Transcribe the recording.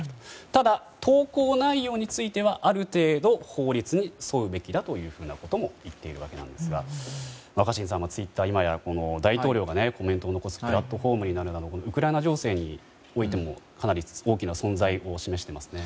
ただ、投稿内容についてはある程度、法律に沿うべきだというふうなことも言っているわけなんですが若新さん、ツイッターは今や、大統領がコメントを残すプラットフォームになるなどウクライナ情勢においてもかなり大きな存在を示していますね。